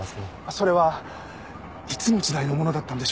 それはいつの時代のものだったんでしょう？